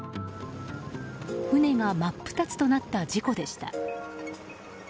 船が真っ二つとなった事故でした。